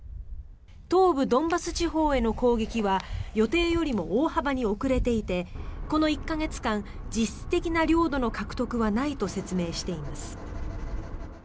東部ドンバス地方への攻撃は予定よりも大幅に遅れていてこの１か月間、実質的な領土の獲得はないと説明しています。